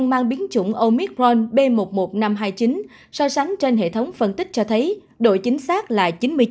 do biến chủng omicron b một một năm trăm hai mươi chín so sánh trên hệ thống phân tích cho thấy độ chính xác là chín mươi chín chín mươi chín